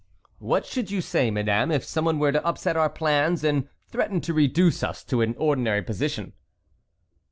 "What should you say, madame, if someone were to upset our plans and threaten to reduce us to an ordinary position?"